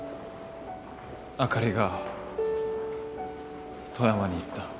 あかりが富山に行った。